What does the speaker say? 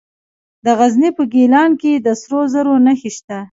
د غزني په ګیلان کې د سرو زرو نښې شته.